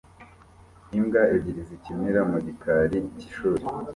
imbwa ebyiri zikinira mu gikari cy'ishuri